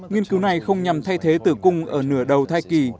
nghiên cứu này không nhằm thay thế tử cung ở nửa đầu thai kỳ